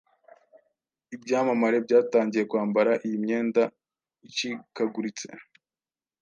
Ibyamamare byatangiye kwambara iyi myenda icikaguritse